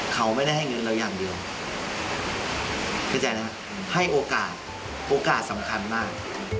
เข้าใจไหมครับให้โอกาสโอกาสสำคัญมาก